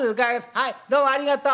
はいどうもありがとう。